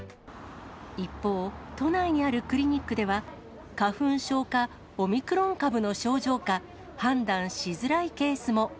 一方、都内にあるクリニックでは、花粉症かオミクロン株の症状か判断しづらいケースも。